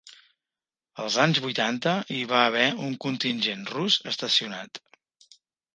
Els anys vuitanta hi va haver un contingent rus estacionat.